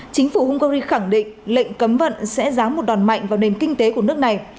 chính phủ hungary khẳng định lệnh cấm vận sẽ ráng một đòn mạnh vào nền kinh tế của nước này